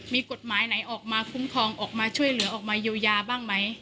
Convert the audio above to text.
มีกฎหมายไหนออกมาคุ้มครองออกมาช่วยเหลือออกมาเยียวยาบ้างไหม